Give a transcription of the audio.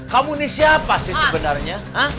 kamu ini siapa sih sebenarnya